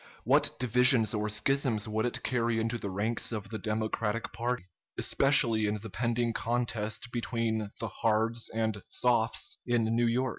What divisions or schisms would it carry into the ranks of the Democratic party, especially in the pending contest between the "Hards" and "Softs" in New York?